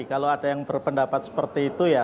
kalau ada yang berpendapat seperti itu ya